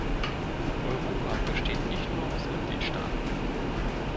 Europa besteht nicht nur aus Mitgliedstaaten.